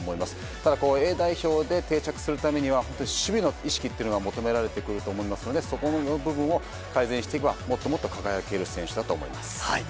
ただ、Ａ代表で定着するためには守備の意識が求められてくると思いますのでそこの部分を改善していけばもっともっと輝ける選手だと思います。